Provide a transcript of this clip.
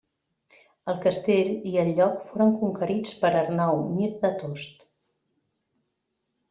El castell i el lloc foren conquerits per Arnau Mir de Tost.